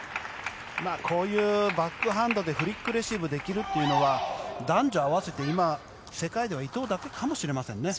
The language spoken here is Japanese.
こういうバックハンドでフリックレシーブできるというのは男女合わせて今、世界では伊藤だけかもしれませんね。